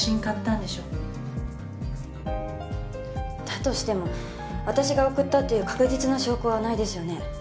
だとしても私が送ったっていう確実な証拠はないですよね？